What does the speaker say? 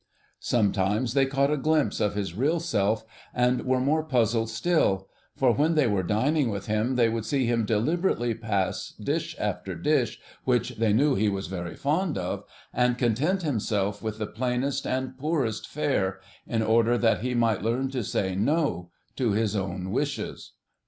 Sometimes they caught a glimpse of his real self and were more puzzled still, for when they were dining with him they would see him deliberately pass dish after dish which they knew he was very fond of, and content himself with the plainest and poorest fare, in order that he might learn to say 'No' to his own wishes.